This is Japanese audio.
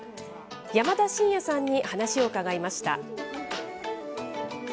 山田慎也さんに話を伺いました。